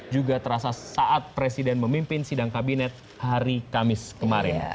juga terasa saat presiden memimpin sidang kabinet hari kamis kemarin